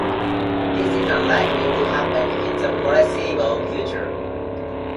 This is unlikely to happen in the foreseeable future.